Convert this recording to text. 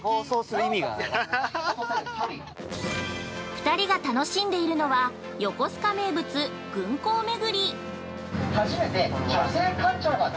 ◆２人が楽しんでいるのは横須賀名物軍港めぐり！